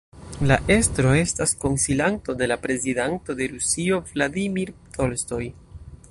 La estro estas konsilanto de la Prezidanto de Rusio Vladimir Tolstoj.